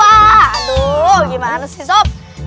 aduh gimana sih sob